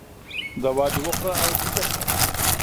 دوا د وخوره او ویده شه